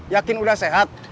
yakin udah sehat